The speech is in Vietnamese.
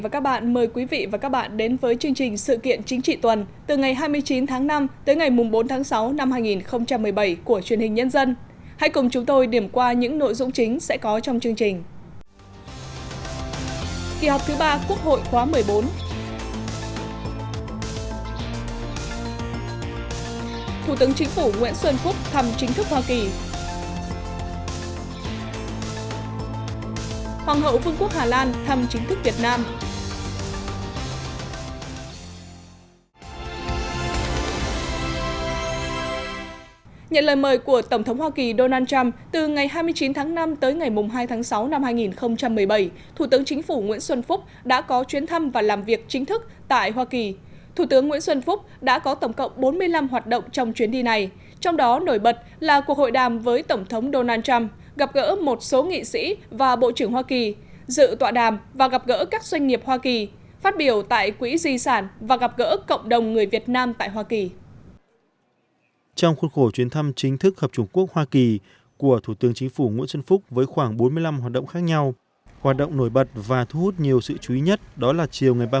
các bạn hãy đăng ký kênh để ủng hộ kênh của chúng mình nhé